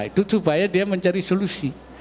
itu supaya dia mencari solusi